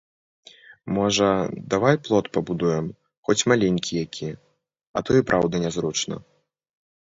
Можа, давай плот пабудуем, хоць маленькі які, а то і праўда нязручна.